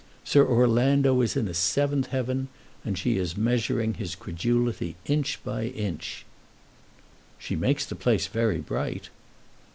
Sir Orlando is in a seventh heaven, and she is measuring his credulity inch by inch." "She makes the place very bright."